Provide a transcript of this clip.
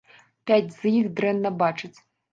Пяць з іх дрэнна бачаць.